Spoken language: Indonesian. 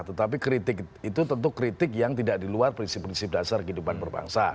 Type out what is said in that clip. tetapi kritik itu tentu kritik yang tidak di luar prinsip prinsip dasar kehidupan berbangsa